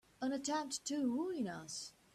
An attempt to ruin us!